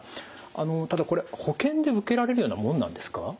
あのただこれ保険で受けられるようなものなんですか？